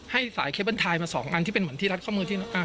ให้สายเคเบิ้ลไทยมา๒อันที่เป็นเหมือนที่รัดข้อมือที่